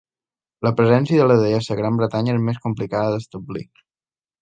La presència de la deessa a Gran Bretanya és més complicada d'establir.